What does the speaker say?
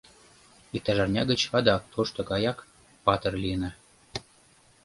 Иктаж арня гыч адак тошто гаяк патыр лийына...